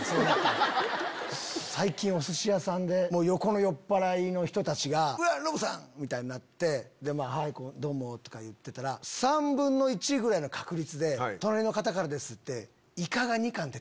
最近おすし屋さんで横の酔っぱらいの人たちが「うわっノブさん」みたいになって「はいどうも」とか言ってたら３分の１ぐらいの確率で「隣の方からです」って。